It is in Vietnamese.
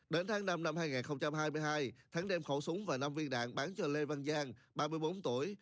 đến tháng năm năm hai nghìn hai mươi hai thắng đem khẩu súng và năm viên đạn bán cho lê văn giang ba mươi bốn tuổi